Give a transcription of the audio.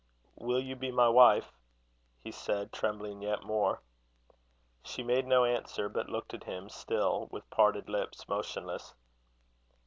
"Will you be my wife?" he said, trembling yet more. She made no answer, but looked at him still, with parted lips, motionless.